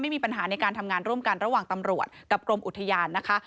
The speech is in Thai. มีปัญหาในการทำงานร่วมกันระหว่างตำรวจกับกรมอุทยานนะคะ